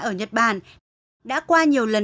ở nhật bản đã qua nhiều lần